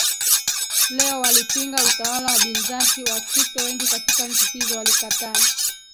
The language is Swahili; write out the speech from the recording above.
leo walipinga utawala wa Bizanti Wakristo wengi katika nchi hizo walikataa